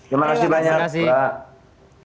terima kasih banyak